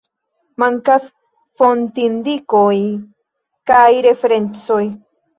Mankas fontindikoj kaj referencoj.